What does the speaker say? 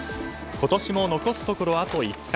今年も残すところ、あと５日。